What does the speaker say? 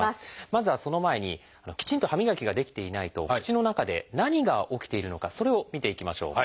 まずはその前にきちんと歯磨きができていないと口の中で何が起きているのかそれを見ていきましょう。